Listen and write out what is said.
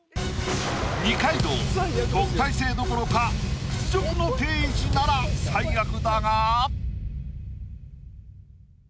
二階堂特待生どころか屈辱の定位置なら最悪だが。